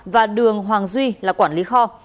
và đường hoàng duy là quản lý kho